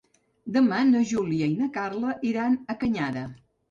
Demà na Júlia i na Carla iran a la Canyada.